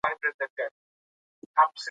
ژوند د وخت په تېرېدو سره رازونه بربنډوي.